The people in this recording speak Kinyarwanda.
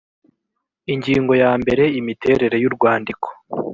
ingingo ya mbere imiterere y urwandiko